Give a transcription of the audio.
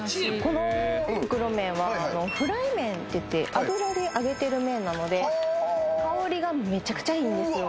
この袋麺はフライ麺っていって油で揚げてる麺なので香りがメチャクチャいいんですよ